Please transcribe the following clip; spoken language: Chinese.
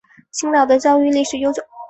青岛的教育历史悠久。